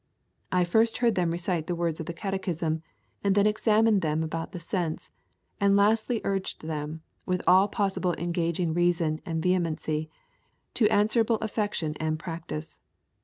I first heard them recite the words of the Catechism, and then examined them about the sense, and lastly urged them, with all possible engaging reason and vehemency, to answerable affection and practice.